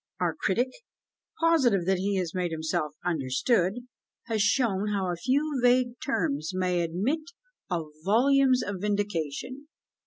Our critic, positive that he has made himself understood, has shown how a few vague terms may admit of volumes of vindication.